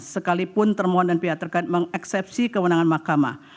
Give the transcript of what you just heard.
sekalipun termohon dan pihak terkait mengeksepsi kewenangan mahkamah